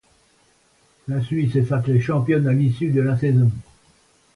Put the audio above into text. La Suisse est sacrée championne à l'issue de la saison.